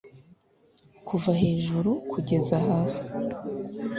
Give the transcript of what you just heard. kuva hejuru kugeza hasi